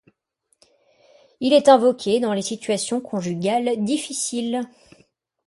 Il est invoqué dans les situations conjugales difficiles.